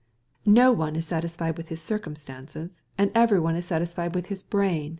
"'No one is satisfied with his fortune, and everyone is satisfied with his wit.